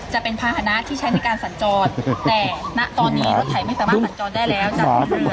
จะเป็นภาระที่ใช้ในการสรรจน์แต่ณตอนนี้รถไถไม่สามารถสรรจน์ได้แล้ว